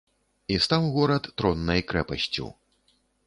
І стаў горад троннай крэпасцю.